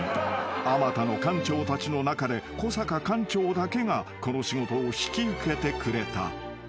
［あまたの館長たちの中で小阪館長だけがこの仕事を引き受けてくれた］